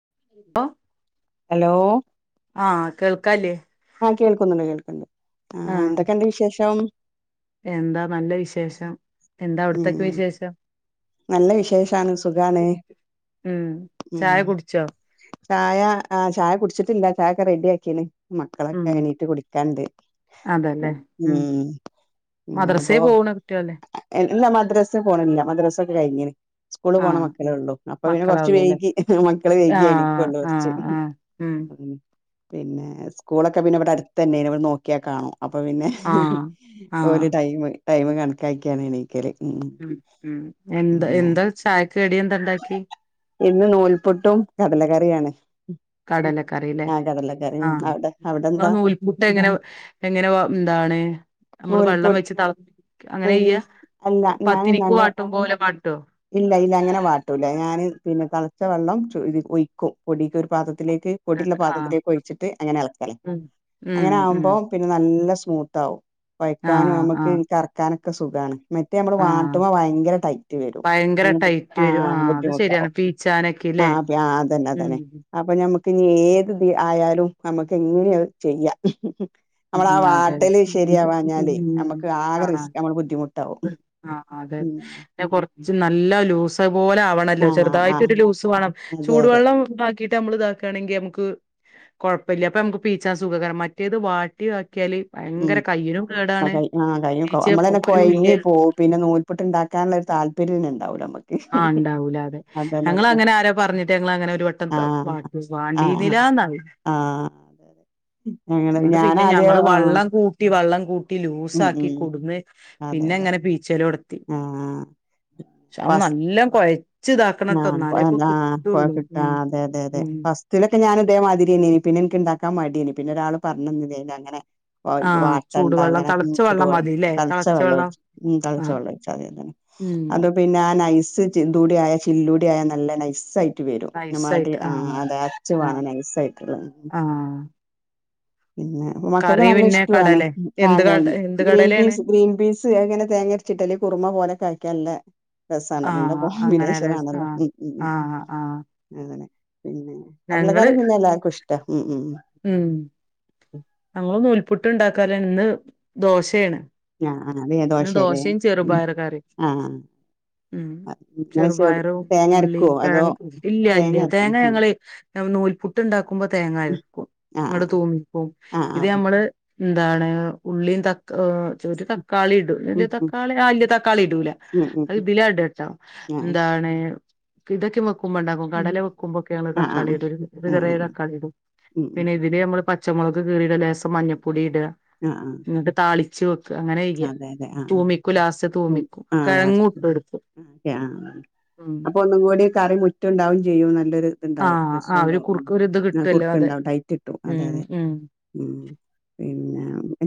[unintelligible] Hello ആ കേൾക്കല്ലേ? ആ കേൾക്കുന്നുണ്ട് കേൾക്കുന്നുണ്ട് ആ ആഹ് എന്തൊക്കെയുണ്ട് വിശേഷം? എന്താ നലാവിശേഷം എന്താഅവിടുത്തെ ഉം വിശേഷം നല്ല വിശേഷാണ് സുഖാണ് ഉം ചായ ഉം കുടിച്ചോ ചായ ചായ കുടിച്ചിട്ടില്ല ചായയൊക്കെ റെഡിയാക്കിണ്. ഉം മക്കളൊക്കെ എണിറ്റ് കുടിക്കാനുണ്ട്. ഉം ഉം മദ്രസേ അപ്പോ പോവണ കുട്ടികളല്ലേ ഇല്ല മദ്രസയിൽ പോണില്ല. മദ്ര [inaudible] കഴിഞ്ഞണ് സ്കൂള് പോണ ആഹ് മക്കളെ ഉം ഉള്ളു അപ്പൊ പിന്നെ കൊറച്ച് മക്കളാവുള്ളൂല്ലേ വൈകി മക്കള് വൈകി ആഹ് എണിക്കുള്ളു കുറച്ച്. ആഹ് ആഹ് ഉം പിന്നെ സ്കൂളൊക്കെപിന്നെഇവിടെ അടുത്ത് തന്നെയാ. നോക്കിയാൽ കാണാം. അപ്പൊ പിന്നെ ഹു ഹു ആഹ് ആഹ് ഒരുടൈം. ടൈംകണക്കാക്കിയാ [inaudible] ഉം ഉം എന്താ എന്താ ചായക്ക് കടി എന്താ ഇണ്ടാക്കി ഇന്ന് നൂൽപുട്ടും കടലക്ക അറിയണെ കടലക്കറില്ലേ ആ. അവിടെ നിങ്ങളുടെ അവിടെന്താ നൂൽപുട്ട് എങ്ങനെ എങ്ങനെ [inaudible] നമ്മൾ നൂൽപുട്ട് വെള്ളംവെച്ചു [inaudible] അങ്ങനെ ചെയ്യാ അല്ല ഞാൻ പത്തിരിക്ക് നല്ല [inaudible] ഇല്ല ഇല്ല അങ്ങനെ വാട്ടൂല ഞാന് പിന്നെ തെളച്ച വെള്ളം ഇതിക്ക് ഒയിക്കും പൊടീക്ക ഒരു പാത്ര ത്തിലേക്ക് പൊടീള്ള ഇട്ടിട്ട് ആഹ് പാത്രത്തിലേക്ക് ഒഴിച്ചിട്ട് അങ്ങനെ എളക്കേലെ ഉം ഉം അങ്ങനെ ഉം ആകുമ്പോ പിന്നെ നല്ല സോ മൂട്ടാവും വയ്ക്കാനും ആഹ് നമ്മക്ക് ആഹ് ഇനി കറക്കാന [unintelligible] ക്കെ സുഖാ ണ് മറ്റേ നമ്മള് ആഹ് വാട്ടുമ്മ ഭയങ്കര ടൈറ്റ് വരും ഭയങ്കര ടൈറ്റ് ആ വരും ആഹ് അത് ബുദ്ധിമുട്ടാവും ശരിയാണ് പീച്ചാനക്കെല്ലേ ഉം പിന്നെ ഏത് [unintelligible] ആയാലും നമുക്ക് എങ്ങനെയത് ചെയ്യാം മംഹും നമ്മള ആ ഉം അതെ വാട്ടല് ശരിയാവാഞ്ഞാലേ നമ്മക്ക് ആകെ ആഹ് റിസ്ക് നമ്മള് ബുദ്ധിമുട്ടാവും ആഹ് അതെ മം പിന്നെ കൊറച്ച് നല്ല ലൂസ തുപോലെ ആവണല്ലോ ആഹ് ചെറുതായിട്ട് ആഹ് ഒരു ലൂസ് വേണം അതെ അതെ ചൂടുവെള്ളം [unintelligible] [unintelligible] നമ്മള് ഇതാക്കേണെങ്കിൽ നമക്ക് കുഴപ്പമില്ല അപ്പ നമക്ക് പീ [unintelligible] മറ്റേത് വാ ട്ടീ ഉം [unintelligible] ആ കൈ പീച്ച നമ്മള് തന്നെ കൊയഞ്ഞു പോകും പോരുല്ല പിന്നെ നൂൽപുട്ട് ഉണ്ടാക്കാനുള്ള ഒരു താല്പര്യം തന്നെ എണ്ടാവൂല്ല നമ്മക്ക് ആ എണ്ടാവൂല അതെ അതന്നെ ഞങ്ങള് അതന്നെ അങ്ങനെ ആരോ പറഞ്ഞിട്ട് ഞങ്ങള് അങ്ങനെ ഒരു വട്ടം ആഹ് ആഹ് ആഹ് [unintelligible] ആഹ് അതെ അതെ ഞങ്ങള് അന്നിട്ട് പിന്ന ഞാനാദ്യം ഞങ്ങള് ആഹ് വള്ളം കൂട്ടിയോ വള്ളം കൂട്ടി ട്ടി ഉം ലൂസാക്കി ഉം കുടുന്ന് അതെ പിന്നെ അതെ അങ്ങനെ പീച്ചലോടെത്തി ആഹ് ഫസ് ആ എന്നാലേ ഇപ്പൊ ആ ആ [unintelligible] കിട്ടുള്ളൂ കിട്ടാ ഉം അതെ അതെ അതെ ഉം ഫസ്തിലൊക്കെ ഞാൻ ഇതേ മാതിരി അന്നേന് പിന്നെ എനിക്ക് ഇണ്ടാക്കാൻ മടീന് പിന്നെ ഒരാള് പറഞ്ഞു അങ്ങനെ ആ ചൂടുവെള്ളം തള തെളച്ച വെള്ളം ഒഴിച്ച് ഉം ആ തെളച്ച വെള്ളം ഒഴിച്ചാ മതി ഉം അത് പിന്നെ നൈസ് ചിന്തൂടെ ആയ ചില്ലൂടെ ആയ നല്ല നൈസ് ആയി വരും [unintelligible] ആ അതെ അച്ച് ആ [unintelligible] നൈസായിട്ടുള്ള ആ പിന്നെ മക്കൾക്ക് കറി നല്ല പിന്നെ ഇഷ്ടമാണ് കടലെ എന്ത് കട [unintelligible] എന്ത് ഗ്രീൻ കടലേണ് പീസ് ഗ്രീൻ പീസ് അങ്ങനെ തേങ്ങ അരച്ചിട്ടല് കുറുമ പോലക്കെ ആക്കിയാല്ലേ ആ രസാണല്ലോപ്പ നല്ല അങ്ങനെ കോമ്പിനേഷൻ രസ ആണല്ലോ ഉം ഉം ആ ആ ഉം ആ അങ്ങനെ പിന്നെ ഞങ്ങള് കടലക്കറി പിന്നെ എല്ലാർക്കും ഇഷ്ടാ മം മം ഉം ഞങ്ങള് നൂൽപുട്ട് ഉണ്ടാക്കാറ്ണ്ട് ഇന്ന് ദോശേണ് ആ ആ വേ ഇന്ന് ദോശല്ലേ ദോശേം ഉം ചെറുപയറ് കറീം ആ ഉം ഇങ്ങനെ ചെറു ചെറുപയറ് തേങ്ങ ഉള്ളി അരക്കുവോ അതോ [unintelligible] ഇല്ല ഇല്ല അരക്കും തേങ്ങ ഉം ഞങ്ങള് നൂൽപ്പുട്ട് ഉണ്ടാക്കുമ്പോ തേങ്ങ ഉം ആക്കും ആ ആ ഇങ്ങട് തൂന്നിപ്പോവും ആ ആ ഇത് ആ. നമ്മള് ന്താണ് ഉള്ളീം തക് ഏഹ് ഒരു തക്കാളി ഇടും വല്യേ ഉം ഉം തക്കാളി ആ വല്യേ തക്കാളി ഇടൂലാ ഉം ഉം അത് ഉം ഇതില ഇടട്ടോ ആ ന്താണ് ഇതൊക്കെ ക്കുമ്പണ്ടാക്കും ഉം. കടല വെക്കുമ്പോക്കെയാണ് ആ ആ തക്കാളി ഇടല് ഒരു ആ ആ ആ ചെറ്യാ തക്കാളി ഇടും ഉം ഉം പിന്നെ ഉം. ഇതില് നമ്മള് പച്ച മൊളക് കീറീടാ ലേസം മഞ്ഞപ്പൊടി ഇ ടാ ആ ആ നിട്ട് താളി ച്ചു അതെ അതെ ആ ആ ഉം തൂമിക്കും ആ ആ കിഴങ്ങും ഇട്ട് കൊടുക്കും [unintelligible] ആ ഉം അപ്പൊ ഒന്നും കൂടി കറി മുറ്റ് ഇണ്ടാവും ചെയ്യും നല്ലൊരു ഇത്ണ്ടാവും ആഹ് ആ രസോം ഒരു ഇണ്ടാവും കുറുക്ക് ഒരു ഇത് ആ കിട്ടുവല്ലോ കുറുക്ക് അതെ ഇണ്ടാവും ടൈറ്റിട്ടും അതെ ഉം അതെ ഉം ഉം പിന്നെ [unintelligible]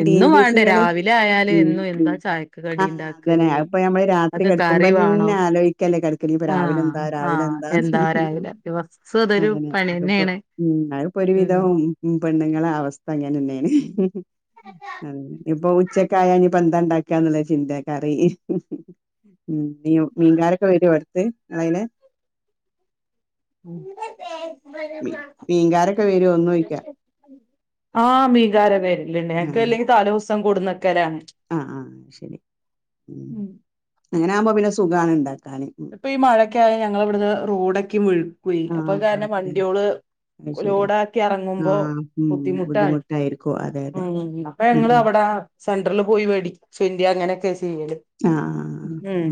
അതേമാതിരി എന്നും ഗ്രീൻപീസ് വേണ്ടേ ങ്ങള് രാവിലെ ആയാല് ഉം എന്നും എന്താ ഉം ചായക്ക് കടി ആ അതനെ ഉണ്ടാക്കല് അത്പ്പൊ ഞമ്മള് രാത്രി അത് കറി വേണം കിടക്കുമ്പന്നെ ആലോക്കല്ലേ കിടക്കണ ഇപ്പ രാവിലെ ആഹ് എന്താ രാവിലെ ആഹ് എന്താന്ന് എന്താ രാവിലെ ദിവസം അതൊരു അതെന്നെ പണി അത്പ്പോ തന്നെയാണ് ഉം അത്പ്പോ ഒരുവിധം ഉം ഉം പെണ്ണുങ്ങളെ അവസ്ഥ അങ്ങനെന്നെനാണ് അതെന്നെ നി ഇപ്പൊ ഉ ച്ചക്കായ ഞ്ഞിപ്പ ന്താ ഇണ്ടാക്കന്ന്ള്ള ചിന്ത കറി ഉം മീ മീൻകാരൊക്കെ വരോ തേ അയേനെ ഉം മീ മീൻകാരൊക്കെ വരോന്നോയിക്ക ആ മീകാരൻ വരും ല്ല നെങ്ങക്കല്ലെങ്ങി തലേസ് അം കൊടന്ന് ആ ആ ശരി ഉം അങ്ങനെ ആവുമ്പോ പിന്നെ സുഖാണ് ണ്ടാ ഇപ്പൊ ഈ മഴെക്കെ ആയ ഞങ്ങള് വിടുന്ന് റോഡ ക്കും വീഴും കുഴി അപ്പൊ അത് ആഹ് കാരണം വണ്ടിഓള് അത് ശരിയാ ലോഡാക്കി എറങ്ങുമ്പോ ആഹ് ഉം ബുദ്ധിമുട്ടാണ് ബുദ്ധിമുട്ടായിരിക്കും അതെ അതെ ഉം ഉം ഉം അപ്പൊ ഞങ്ങളവടെ സെൻട്രെല് പോയി വേടിചേ [unintelligible] ആ ആ ആ ആ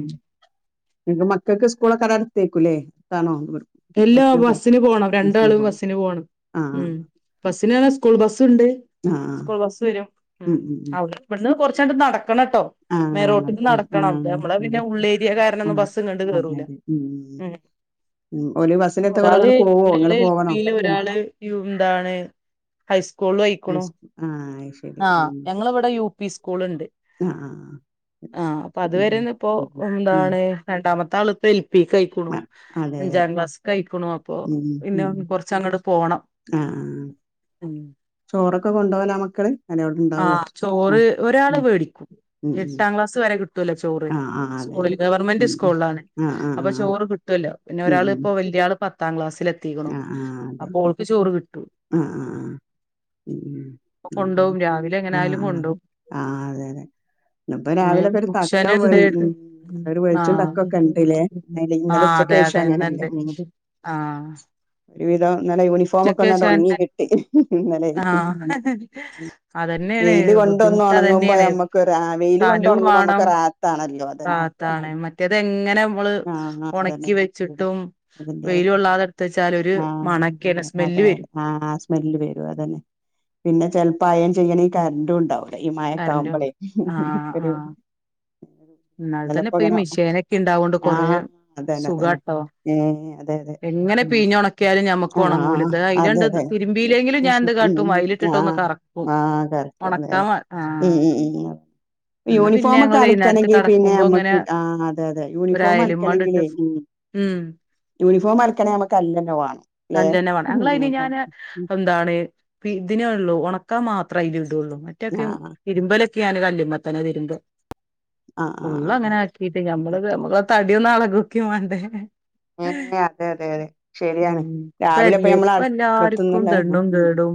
പിന്നെ മക്കൾക്ക് സ്കൂളൊക്കവടടുത്തേക്കുല്ലേ ത്താണോ [unintelligible] എല്ലാ ബസ്സിന് പോണം രണ്ടാളും ബസ്സിന് പോണം ആഹ് ഉം ബസ്സിന് ന്ന് പറഞ്ഞ സ്കൂൾ ബസ്സുണ്ട് ആഹ് ആഹ് സ്കൂൾ ബസ് വരും ഉം ഉം അവിട് ഇവിട്ന്ന് കൊറച്ചങ്ങട്ട് നടക്കണട്ടോ ആഹ് മേ റോട്ടിന്ന് നടക്കണം ദ് ആഹ് മ്മളെ പിന്നെ ആഹ് ഉള്ളേരിയ കാരണം ഒന്നും ആഹ് ബസ്സിങ്ങട്ടൊന്നും കേറൂല ഉം ഉം. ഓല് ബസ്സിലെത്ത ഓല് ഒരാള് അങ്ങട് പോവോ ഒരാള് ഇങ്ങള് എൽ പോവണോ പി ല് ഉം ഒരാള് യൂ എന്താണ് ഹൈസ് സ്കൂൾ വഹിക്കണോ ഹൈസ്കൂ ആഹ് അത് ശരി ആ ഉം ഞങ്ങള ഇവിടെ യു പി സ്കൂൾ ഉണ്ട് ആഹ് ആഹ് ആ അപ്പ ഉം അതുവരെ ഇപ്പോ ഉം എന്താണ് രണ്ടാമത്തെ തളിപ്പിൽ പീക്കായിക്കണു ഉം ആ, അതെ അതെ അഞ്ചാം ക്ലാസ് ആഴിക്ക്ണു അപ്പൊ ഉം പിന്നെ ഉം കൊറച്ച് അങ്ങോട് പോണം. ആഹ് ആഹ് ചോറൊക്കെ കൊണ്ടോവലാ മക്കള് അല്ലെ അവിടെ ആ ഇണ്ടാവോ ഉം ചോറ് ഒരാള് ഉം മേടിക്കും ഉം ഉം എട്ടാം ക്ലാസ് വരെ കിട്ടും. കിട്ടൂല ചോറ് ആഹ് ആഹ് അതെ അതെ സ്കൂള് ഗവർമെന്റ് ഉം സ്കൂളാണ് ഉം ആഹ് അപ്പൊ ചോറ് കിട്ടൂല്ലോ ഒരാള് ഇപ്പോ വല്യാള് പത്താംക്ലാസ് എത്തിക്കണു ആഹ് അപ്പോ ഓൾക്ക് ചോറ് കിട്ടും. ആഹ് ഉം ഉം ആഹ് ആഹ് അതെ ആഹ് ആഹ് ആഹ് ഉം ഉം അപ്പം പ്പകൊണ്ടവും രാവില ആഹ് എങ്ങനായാലും ആഹ് കൊണ്ടവും. ആഹ് അതെ അതെ ഇന്നിപ്പോ സമയം രാവിലൊക്കെ ഒരു തക്കം വെൾ ഉച്ചവരണ്ട്. ഉം ഒരു ആ. വെളിച്ചും തക്കൊക്കെ ഇണ്ട്ല്ലേ ഇന്നലെ ആ ഇന്നലെ അതേ ഉച്ചക്കേഷം എന്താണ്ട്‌ അങ്ങനെയല്ലേ ഉം ഷ്‌ ആ ഒരുവിധം നല്ല യൂണിഫോമൊക്കെ ഒന്നങ്ങട് ഒണങ്ങി ശേഷം കിട്ടി ഇന്നലേയ് ആഹ് അതന്നെയാണ് വെയില് ബുദ്ധിമുട്ട് കൊണ്ടൊന്നൊണങ്ങുമ്പോ അതന്നെയാണ് നമ്മക്ക് വെയില് കൊണ്ട് സ്ഥലവും വേണം ഒണങ്ങുമ്പോമ്മക്ക് റാഹത്താണല്ലോ അതന്നെ. റാഹത്താണ് മറ്റേത് ആ ആ അതന്നെ. ചുട്ടും വെയില് കൊള്ളാതെ വെച്ചാൽ ഒരു ആ മണൊക്കെയാണ് അതേ സ്മെല്ല് വരും അതേ ആ ആ സ്മെല്ല് വരും അതന്നെ പിന്നെ ചെലപ്പാ അയൺ ചെയ്യണേ ഈ കറണ്ടുണ്ടാവു ഈ കറന്റ് മയേക്കാവുമ്പളേ ഒരു ന്നാൽ തന്നെ ഇന്നലെപ്പോ ഇപ്പോ ഈ ഇങ്ങനെ മിഷ്യേനൊക്കെ ഇണ്ടാവോണ്ട് കൊറെ ആഹ് അതന്നെ അതന്നെ സുഖാട്ടോ. ഏഹ് അതെ അതെ എങ്ങനെ ഉം പിഴിഞ്ഞ് ഒണക്കിയാലും ഞമ്മക്ക് ആഹ് ഒണങ്ങൂല. ആഹ് ഇത് അതെ അതിലണ്ട് അതെ തിരുമ്പിയില്ലെങ്കിലും ഞാൻ എന്ത് ഉം കാട്ടും അതിലിട്ടിട്ട് ഒന്ന് ആഹ് കറക്കും. ആഹ് കറക്റ്റ് അതെ ഒണക്കാൻ അതെ വേ ആ ഉം ഉം ഉം ന്ന പിന്നെ യൂണിഫോം ഒക്കെ ങ്ങള് വൈന്നേര അലക്കണെങ്കി പിന്നെ നമ്മക്ക് ആ അതെയതെ. ഒരു യൂണിഫോം അയലുമ്മണ്ടിട്ട് അലക്കണങ്കിലേ ഉം ഉം യൂണിഫോം അലക്ക്ണേ നമ കല്ലന്നെ വേണം. ഞങ്ങള് അതിന്നാല് ഞാന് എന്താണ് ഇതിനേള്ളൂ ഒ ക്കാ മാത്രേ അതിലിടോള്ളൂ. മറ്റൊക്കെ ആഹ് ഇരുമ്പല് ഞാന് കല്ലുമ്മത്തനെ തിരുമ്പ ആഹ് ആഹ് ഫുള്ള് ആഹ് അങ്ങനെയാക്കീട്ട് ഞമ്മള്ത് ഞമ്മള തടിയൊന്നാളകൊക്കേം വേം [unintelligible] ഉമ്മ് അതെ അതേ അതെ. ശെരിയാണ്. ഉം രാവിലെ ഇപ്പ ഇപ്പല്ലേ ഞമ്മൾ എല്ലാർക്കും ദണ്ണും [unintelligible] കേടും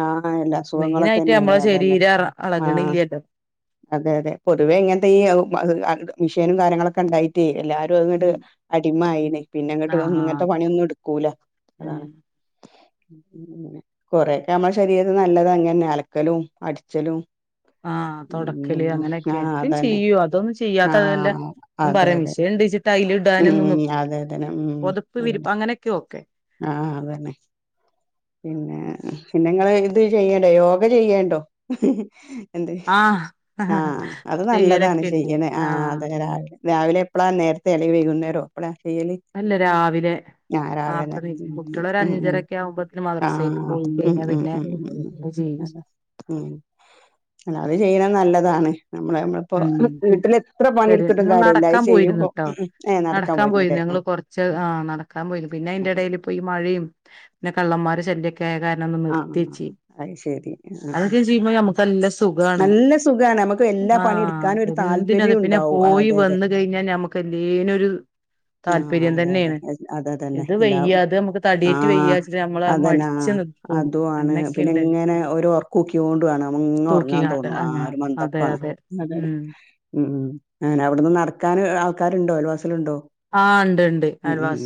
ആ എല്ലാ മെയിനായിട്ട് സുഖങ്ങളൊക്കെന്നെയാണ്. നമ്മളെ അതന്നെ ശരീരം ആ അളകണില്ലല്ലോ അതെയതെ പൊതുവെ ഇങ്ങനെ വെയ്യ ഉം അത് മിഷ്യേനും കാര്യങ്ങളൊക്കെ ഉണ്ടായിട്ടേ എല്ലാരും അങ്ങ്ട് ഉം അടിമായി. പിന്നെ അങ്ങട്ട് ആഹ് ഇങ്ങനത്തെ പണിയൊന്നും എടുക്കൂല ഉം അതാണ്. ഉം ഉം ഉം കൊറെയൊക്കെ നമ്മുടെ ശരീരത്തിനല്ലത് അങ്ങനന്നേ അലക്കലും അടിച്ചലും ആ തൊടക്കല് ഉം ആ അങ്ങനെയൊക്കെ എപ്പഴും അതന്നെ ചെയ്യും അതൊന്നും ആ ചെയ്യാത്തതല്ല ഞാൻ അതെ അതെ പറയണത് [unintelligible] ടൈല് ഇടാന്ന്മും ഉം അതെ അതെ ഉം പൊതപ്പ് അതന്നെ വിരിപ്പ് അങ്ങനൊക്കെ ഓക്കെ ആ അതന്നെ പിന്നെ പിന്നെങ്ങള് ഇത് ചെയ്യണ്ടോ? യോഗ ചെയ്യേണ്ടോ? എന്ത്? ആഹ് ആ അത് നല്ലതാണ് ചെയ്യലൊക്കെ ഇണ്ട് ചെയ്യണ് ആ ആഹ് അതേ രാവിലെ ഉം രാവിലെ [inaudible] ചെലേ വൈകുന്നേരോ എപ്പഴാ ചെയ്യല്? അല്ല രാവിലെ ഞാൻ നേർത്തെ രാവിലെന്നെ. നീ ഉം കുട്ടികള് ഒരു ഉം ഉം ഉം അഞ്ചരൊക്കെ ആവുമ്പോത്തിന് ആ മദ്രസേക്ക് പോയി ഉം കഴിഞ്ഞാ ഉം പിന്നെ ഉം ഉം ഉം അത് ചെയ്യും ഉം അത് ചെയ്യലാ നല്ല അതാണ് ഉം ശരി പണിയെടുത്തിട്ടും ന്നു കാര്യല്ല അത് നടക്കാൻ പോയിരുന്നു ചെയ്യുമ്പോ ട്ടോ ഏഹ് നടക്കാൻ പോയിന്നു പോയിരുന്നില്ലേ ഞങ്ങള് ആഹ് കൊറച്ച് ആ നടക്കാൻ പോയിര് പിന്നെ അയിന്റെ എടേല് പ്പോ ഈ മഴിം പിന്നെ കള്ളന്മാരെ ശല്യക് ആ അഅ് ശരി ആ അതൊക്കെ ചെയ്യുമ്പോ നമുക്ക് നല്ല സുഖാണ് നമുക്ക് എല്ലാ ആ പണി എടുക്കാനും ഒരു എന്തിനും അതെ താല്പര്യം പിന്നെ ഉണ്ടാവും പോയി അതെ അതെ വന്ന് കഴിഞ്ഞാ നമ്മുക്ക് എല്ലേനൊരു ആ താല്പര്യം അതെ, അതെ. തന്നേണ് അത് അതന്നെ. ഇത് എല്ലാ വയ്യ അത് നമുക്ക് തടിയേറ്റ് വയ്യാച്ച്ട്ട് നമ്മൾ മടിച്ച് നി അതും ആണ് പിന്നെ ഇങ്ങനെ ഒരു ഒറക്കൂക്ക്യോണ്ടുവാണ് ഔങ്ങ് ഒറങ്ങാൻ തൂക്കിങ്ങാണ്ട് തോന്നും ആ ഒരു ആഹ് അതെ മന്ദപ്പാണ്. അതെ ഉം ഉം അങ്ങനെ അവിടുന്ന് നടക്കാൻ ആൾക്ക ആര്ണ്ടോ അയൽവാസി ആ ഇണ്ട് ഇണ്ട്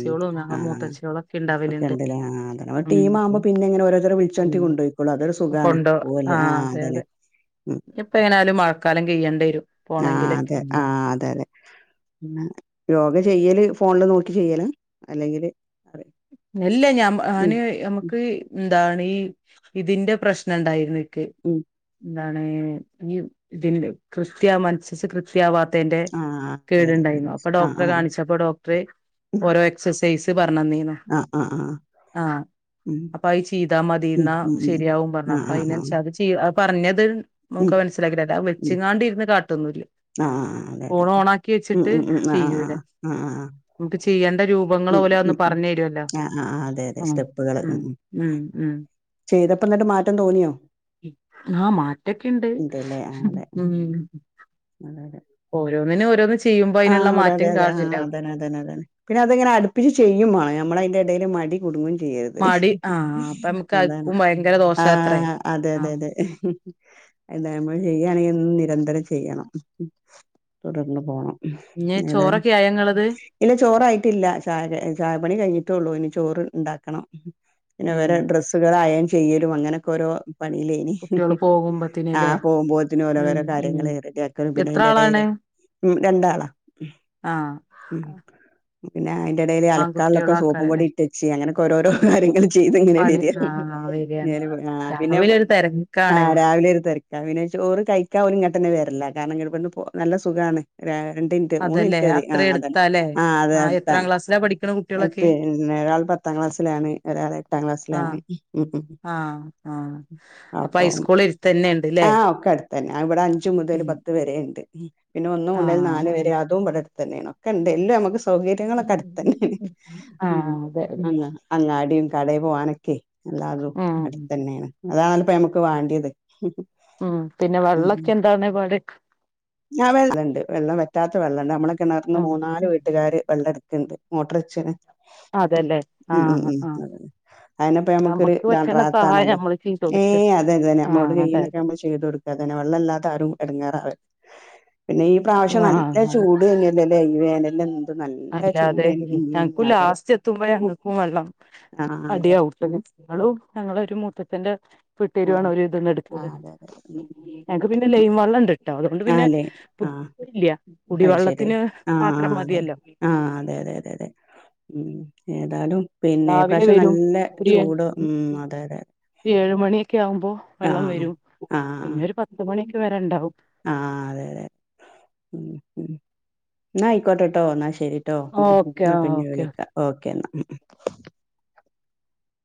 ഉം. ആ ഞങ്ങൾ മൂത്തച്ഛിയോളൊക്കെ ഒക്കെ ഇണ്ടാവല്ണ്ട് ഇണ്ടല്ലേ. ആ അതാണ്. ഒരു ഉം ടീമാവുമ്പോ പിന്നെ ഇങ്ങനെ ഓരോരുത്തരെ വിളിച്ചോണ്ട് കൊണ്ടോയിക്കോളും. അതൊരു അങ്ങനെ സുഖാണ്. കൊണ്ടോ പോവല് ആ അതെ അതന്നെ. അതെ ഉം. ഇപ്പ എങ്ങനാലും മഴക്കാലം കെയ്യ വെരും ആ അതെ ആ അതെ അതെ ചെയ്യല് ഫോണില് നോക്കി ചെയ്യലാ അല്ലെങ്കില് ഉ അല്ലെ ഞ ഉം, ഞാന് ഉം, ഞമുക്ക് ഇതാണ് ഈ ഇതിന്റെ പ്രശ്ന ഇണ്ടായിര്ന്ന് ക്ക് ഉം. ഉം [inaudible] ആണ് ഈ ഇതിൻ്റെ കൃത്യ മൻസസ് കൃത്യാവാ ത്തെയ്ന്റെ ആഹ് ആഹ് അതെ അതെ കേടുണ്ടായ്ന്നു വിനീഷ് അപ്പൊ ആഹ് ഡോക്ടറെ ആഹ് കാണിച്ചപ്പോ ഡോക്ടറ് ഓരോ എക്സസൈസ് പറഞ്ഞന്നീന്നു. ആഹ് ആഹ് ആഹ് ആ ഉം അപ്പൊ അഅ് ചീതാ ഉം മതീന്നാ ഉം ഉം ശരിയാവും പറഞ്ഞു അപ്പ ആഹ് ആഹ് അയിനൻച്ച ആഹ് അത് ചീ അഅ് പറഞ്ഞത് മമുക്ക് അഅ് ഉം മനസ്സിലാക്കി തരാ അഅ് ഉം വെച്ച്ങ്ങാണ്ട് ഇരുന്ന് കാട്ടൊന്നുല്ല്യ ആഹ് ആഹ് അതെ അതെ ഫോണ് ഓൺ ആക്കി ഉം വെച്ചിട്ട് ഉം ഉം ആഹ് ചിയ്യൂ ലെ ആഹ് ആഹ് ആഹ് ആഹ് നമുക്ക് ചിയ്യണ്ട രൂപങ്ങള ഓല അ ഒന്ന് പറഞ്ഞേരൊ ആ ആ അതെ അതെ സ്റ്റെപ്പുകള് ഉം ഉം ചെയ്തപ്പോ ഇന്നിട്ട് മാറ്റം തോന്നിയോ ആഹ് മാറ്റൊക്കെണ്ട് ഇണ്ട് ലേ ആ അതെ ഉം അതെ അതെ ഓരോന്നിനും ഓരോന്ന് ച് ആഹ് അവ്ടെ അതെ അതെ ആ അതന്നെ അതന്നെ അതന്നെ പിന്നെതങ്ങനെ അടുപ്പിച്ച് ചെയ്യും വാണം നമ്മള് അയിൻ്റെ ഇടയിൽ മടി കുടുങ്ങും ചിച്ചര്ത് മടി ആഹ് അപ്പൊ നമുക്ക് അതാണ് അക്കും ഭയങ്കര ആ ദോഷാത്രേ അതെ അതെ ആഹ് അതെ എന്താ ഞമ്മള് ചെയ്യാണെങ്കി ഒ നിരന്തരം ചെയ്യണം തുടർന്ന് പോണം ഇഞ്ഞ് ഏതാനും ചോറൊക്കെ ആയോ ഇങ്ങളത് ഇല്ല ചോറായിട്ടില്ല ചായ ചായ പണി കഴിഞ്ഞിട്ടൊള്ളു ഇന്- ചോറ് ഇണ്ടാക്കണം പിന്നെ ഉം വേറെ ഡ്രസ്സുകൾ അയേൺ ചെയ്യരും അങ്ങനെയൊക്കെ ഓരോ പണില്ലേ ഇനി കുട്ട്യോള് പോകുമ്പത്തിന് ആ ല്ലേ പോകുമ്പോത്തിന് ഓരോ ഉം ഓരോ കാര്യങ്ങൾ ഉം റെഡി ആക്കലും പിന്നെ എത്ര അതിന്റെ ആളാണ് എടയില് ഉം രണ്ടാളാ ആഹ് ഉം പിന്നെ [unintelligible] എടയില് അലക്കാന്ളളതൊക്കെ സോപ്പും പൊടി ആൺകുട്ട്യോളാക്കാരല്ലേ ഇട്ടേച്ച് അങ്ങനൊക്കെ ഓരോരോ കാര്യങ്ങള് ചെയ്ത് ഇങ്ങനെ പണി വര്യാണ് ആഹ് വരാണ് നേരം വൈക്ണത് ആ പിന്നെ രാവിലെ ഒരു ആ തെരക്കാണ് രാവിലെ ഒരു തെര ക്കാ പിന്നെ ചോറ് കഴിക്കാ ഓര് ഇങ്ങട്ടന്നെ വര്ലാ കാരണം ഇങ്ങ പോകാ നല്ല സുഖാണ് രാ രണ്ടിൻറ്റ് അതല്ലേ മൂന്നിൻറ്റ് മതി ആ അത്ര അതാണ് എടുത്താലേ ആ അതെ ആഹ് അടുത്താണ് എത്രാം ക്ലാസ്സിലാ പഠിക്കണ കുട്ട്യോളൊക്കെ പിന്നെ ഒരാള് പത്താം ക്ലാസ്സിലാണ് ഒരാള് എട്ടാം ആഹ് ക്ലാസ്സിലാണ് ഉം ഉം ആഹ് ആഹ് അപ്പൊ അപ്പോം ഹൈസ്കൂള് എരുത്തന്നെണ്ട്ല്ലേ ആ ഒക്ക ടുത്തന്നെ ഇവടെ അഞ്ചുമുതല് ഉം പത്ത് വരെ ണ്ട് ഉം ന്ന് മുതല് നാല് ആഹ് വരെ ആഹ് അതും ഇബടെടു ത്തനെയാണ് ഒക്കെ ഒണ്ട് എല്ലോം നമുക്ക് സ്കൂ സൗകര്യങ്ങളൊക്കെ അടുത്ത് തന്നെണ് ഉം ആഹ് അതെ ഉം അ അങ്ങാടിയും കടേ പോവാനൊക്കെ എല്ലാതും അടുത്ത തന്നെയാണ് അതാണ് അപ്പ ഞമ്മുക്ക് വാണ്ടിയത് ഉം പിന്നെ വെള്ളൊക്കെ എന്താണ് പാട് ഞാ വെള്ളണ്ട് വെള്ളം വറ്റാത്ത വെള്ളണ്ട് നമ്മള് കിണർന്ന് ആഹ് മൂന്നാല് വീട്ടുകാര് വെള്ളെടുക്ക്ണ്ട് മോട്ടർ വെച്ചേന് അതെല്ലേ ഉം ഉം ആഹ് ഉം ആഹ് അതിനപ്പ ഞമ്മാക്കൊരു നമുക്ക് പറ്റണ സഹായം റാഹത്താണല്ലോ നമ്മള് ചെയ്ത് കൊടുക്ക ഏയ് അതെ അത തന്നെ നമ്മളോട് ആഹ് അതെ കഴിയണതൊക്കെ അതെ നമ്മൾ ചെയ്ത് കൊടുക്കുക അതന്നെ വെള്ളമില്ലാത്തെ ആരും എടങ്ങാറാവര്ത് പിന്നെ ഈ പ്രാവശ്യം നല്ല ആഹ് അതെ ചൂട് തന്നെയല്ലേ [unintelligible] വേനലൊന്നും അല്ലാതെ ഞങ്ങക്കും ലാസ്റ്റ് എത്തുമ്പോ ഞങ്ങക്കും വെള്ളം ആഹ് അടിയാകും ട്ടാ ന്നാലും ഞങ്ങള് ഒരു മുത്തച്ചാന്റെ വീട്ടേര് [unintelligible] ഒര് ഇത് ആഹ് അതെ ആഹ് ആഹ് അതെ അതെ ഉം ഉം. [unintelligible] ഞങ്ങക്ക് പിന്നെ ലൈൻ വെള്ള ട്ടോ അത്കൊണ്ട് ആഹ് പിന്നെ അല്ലേ ആഹ് [inaudible] കുടിവെള്ളത്തിന് മാത്രം മതിയല്ലോ ആ അതെ അതെ അതെ അതെ ഉം ഏതാലും പിന്നെ ഈ രാവിലെ പ്രാവശ്യം വരും നല്ല ഒരു ചൂട് ഉം അതെ അതെ ഏഴ് മണീക്ക് ഒക്കെ ആവുമ്പോ വെള്ളം ആഹ് വരും പിന്നെ ഒരു പത്ത് മണി വരെണ്ടാവും ആ അതെ അതെ ഉം ഉം ഇന്നായി ക്കോട്ടേട്ടോ ഇന്നാ ശെ ശെരിട്ടോ ഉം ഓക്കെ ഇന്നാ പിന്നെ ഓക്കെ വിളിക്കാം ഓക്കേ ഇന്നാ